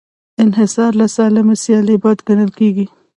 انحصار له سالمې سیالۍ بد ګڼل کېږي.